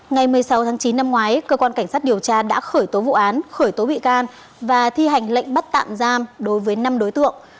ngày một mươi sáu tháng chín năm ngoái cơ quan cảnh sát điều tra đã khởi tố vụ án khởi tố bị can và thi hành lệnh bắt tạm giam đối với năm đối tượng